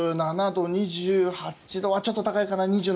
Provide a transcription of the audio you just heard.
２７度、２８度はちょっと高いかな。